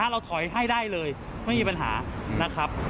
เราถอยให้ได้เลยไม่มีปัญหานะครับ